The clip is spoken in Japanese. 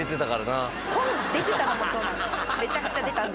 出てたのもそうなんです。